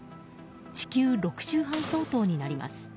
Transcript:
地球６周半相当になります。